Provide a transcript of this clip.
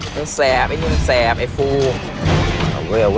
ไปก่อนแล้ว